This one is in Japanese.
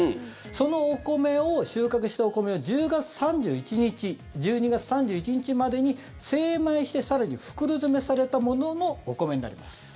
そのお米を、収穫したお米を１０月３１日１２月３１日までに精米して更に袋詰めされたもののお米になります。